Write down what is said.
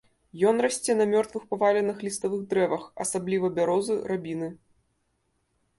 Ён расце на мёртвых, паваленых ліставых дрэвах, асабліва бярозы, рабіны.